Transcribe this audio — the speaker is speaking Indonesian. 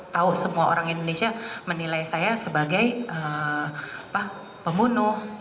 tahu semua orang indonesia menilai saya sebagai pembunuh